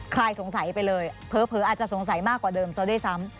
ลายสงสัยไปเลยเผลออาจจะสงสัยมากกว่าเดิมซะด้วยซ้ำ